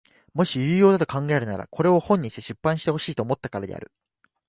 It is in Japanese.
もし有用だと考えるならこれを本にして出版してほしいと思ったからである。